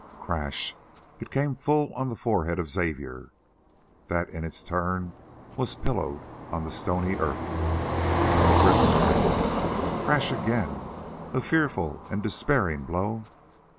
Crash it came full on the forehead of Xavier, that in its turn was pillowed on the stony earth. The grip slackened. Crash again, a fearful and despairing blow!